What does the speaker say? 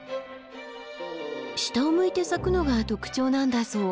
下を向いて咲くのが特徴なんだそう。